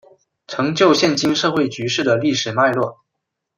成就现今社会局势的历史脉络